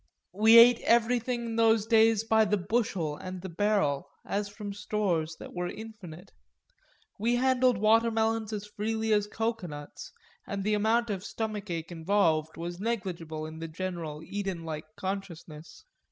We ate everything in those days by the bushel and the barrel, as from stores that were infinite; we handled watermelons as freely as cocoanuts, and the amount of stomach ache involved was negligible in the general Eden like consciousness.